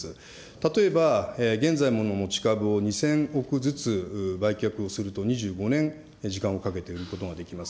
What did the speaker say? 例えば現在の持ち株を２０００億ずつ売却をすると、２５年時間をかけてができます。